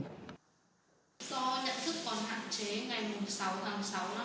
tuy nhiên ngô thị hồng thắm còn trẻ tuổi nhận thức còn hạn chế gia đình có hoàn cảnh khó khăn